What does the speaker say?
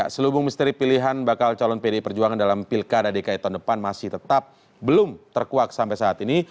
selubung misteri pilihan bakal calon pdi perjuangan dalam pilkada dki tahun depan masih tetap belum terkuak sampai saat ini